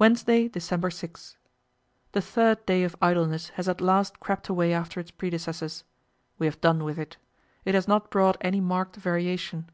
Wednesday, December 6. the third day of idleness has at last crept away after its predecessors. We have done with it. It has not brought any marked variation.